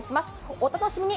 お楽しみに。